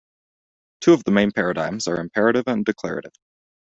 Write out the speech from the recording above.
Two of the main paradigms are imperative and declarative.